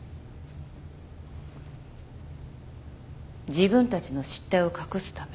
自分たちの失態を隠すため。